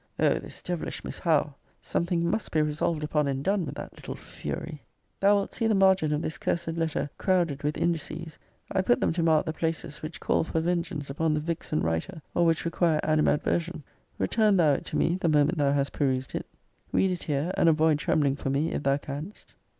O this devilish Miss Howe; something must be resolved upon and done with that little fury! Thou wilt see the margin of this cursed letter crowded with indices [>>>]. I put them to mark the places which call for vengeance upon the vixen writer, or which require animadversion. Return thou it to me the moment thou hast perused it. Read it here; and avoid trembling for me, if thou canst.